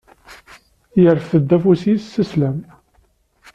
Yerfed-d afus-is s sslam.